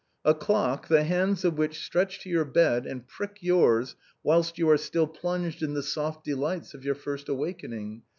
A clock, the hands of which stretch to your bed and prick yours whilst you are still plunged in the soft delights of your first awakening.